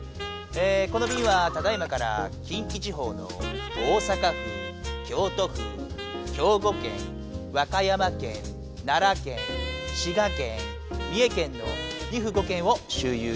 このびんはただ今から近畿地方の大阪府京都府兵庫県和歌山県奈良県滋賀県三重県の２府５県をしゅうゆういたします。